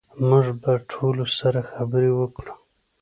موږ به ټولو سره خبرې وکړو